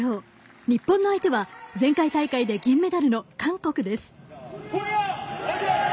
日本の相手は前回大会で銀メダルの韓国です。